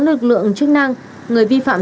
lực lượng chức năng người vi phạm